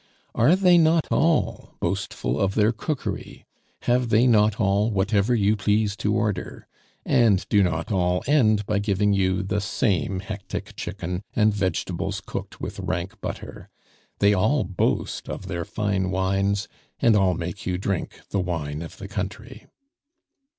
Are they not all boastful of their cookery? have they not all "whatever you please to order"? and do not all end by giving you the same hectic chicken, and vegetables cooked with rank butter? They all boast of their fine wines, and all make you drink the wine of the country.